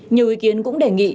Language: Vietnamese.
nhiều ý kiến cũng đề nghị